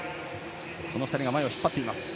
この２人が前を引っ張ります。